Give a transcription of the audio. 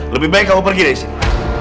lebih baik kamu pergi dari sini